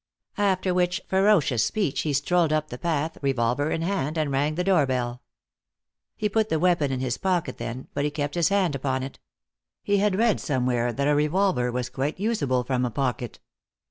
After which ferocious speech he strolled up the path, revolver in hand, and rang the doorbell. He put the weapon in his pocket then, but he kept his hand upon it. He had read somewhere that a revolver was quite useable from a pocket.